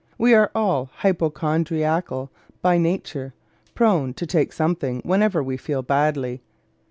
We are all hypochondriacal by nature, prone to "take something" whenever we feel badly.